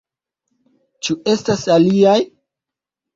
Ĉu estas aliaj?